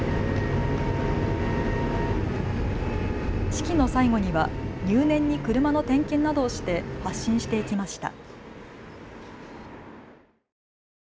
式の最後には入念に車の点検などをして発進していきました。